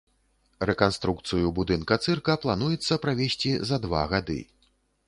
Рэканструкцыю будынка цырка плануецца правесці за два гады.